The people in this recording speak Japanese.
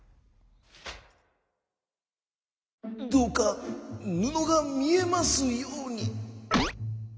「どうかぬのがみえますように。